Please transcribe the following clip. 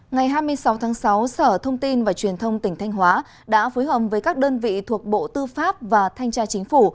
ngày hai mươi sáu tháng sáu sở thông tin và truyền thông tỉnh thanh hóa đã phối hợp với các đơn vị thuộc bộ tư pháp và thanh tra chính phủ